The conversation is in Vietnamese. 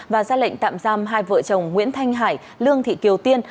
và ra lệnh tạm giam hai vợ chồng nguyễn thanh hải lương thị kiều tiên